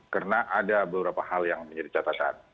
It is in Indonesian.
karena ada beberapa hal yang menjadi catatan